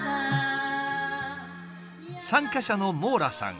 参加者のモーラさん